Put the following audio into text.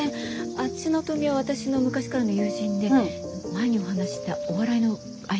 あっちの豆苗は私の昔からの友人で前にお話ししたお笑いの相方の。